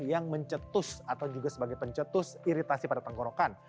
yang mencetus atau juga sebagai pencetus iritasi pada tenggorokan